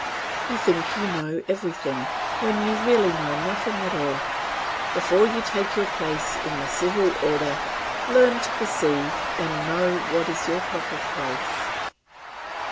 You think you know everything, when you really know nothing at all. Before you take your place in the civil order, learn to perceive and know what is your proper place.